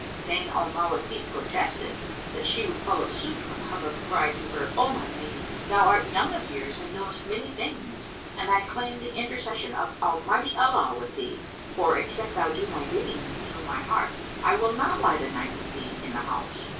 Zayn al Mawasif protested that she would follow suit[FN#332] when Hubub cried to her, "O my lady, thou art young of years and knowest many things, and I claim the intercession of Almighty Allah with thee for, except thou do my bidding and heal my heart, I will not lie the night with thee in the house."